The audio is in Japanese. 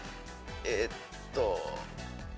えっと。